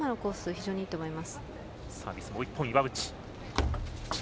非常にいいと思います。